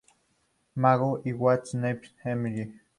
Magoo" y "What's New, Mr.